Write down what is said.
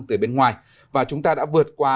từ bên ngoài và chúng ta đã vượt qua